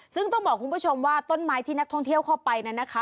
ซึ่งต้องบอกคุณผู้ชมว่าต้นไม้ที่นักท่องเที่ยวเข้าไปนั้นนะคะ